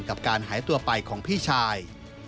กับการหายตัวไปของพี่ชาย